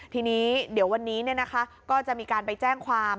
ทีนี้เดี๋ยววันนี้ก็จะมีการไปแจ้งความ